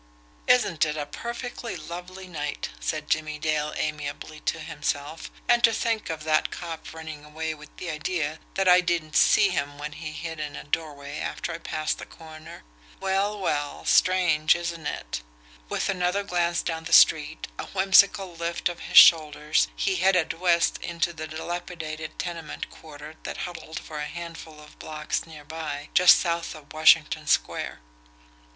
"Isn't it a perfectly lovely night?" said Jimmie Dale amiably to himself. "And to think of that cop running away with the idea that I didn't see him when he hid in a doorway after I passed the corner! Well, well, strange isn't it?" With another glance down the street, a whimsical lift of his shoulders, he headed west into the dilapidated tenement quarter that huddled for a handful of blocks near by, just south of Washington Square.